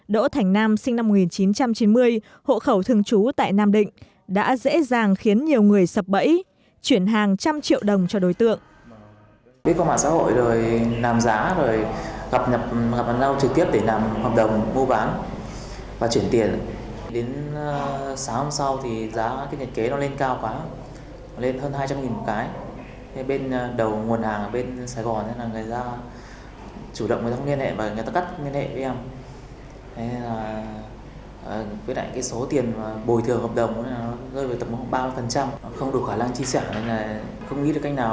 đỗ thành nam sinh năm một nghìn chín trăm chín mươi hộ khẩu thương chú tại nam định đã dễ dàng khiến nhiều người sập bẫy chuyển hàng trăm triệu đồng cho đối tượng